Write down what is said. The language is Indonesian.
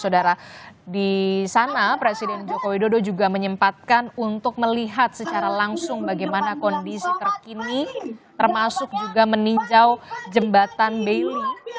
saudara di sana presiden joko widodo juga menyempatkan untuk melihat secara langsung bagaimana kondisi terkini termasuk juga meninjau jembatan baili